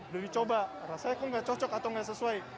beli coba rasanya kok nggak cocok atau nggak sesuai